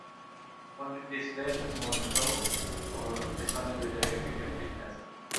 ফোনটির ডিসপ্লের মধ্যে ও পেছনে দুই জায়গায় ফিঙ্গারপ্রিন্ট সেন্সর।